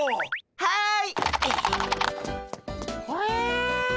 はい。